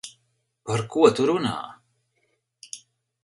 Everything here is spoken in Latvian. Par ko tu runā?